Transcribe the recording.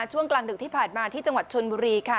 ช่วงกลางดึกที่ผ่านมาที่จังหวัดชนบุรีค่ะ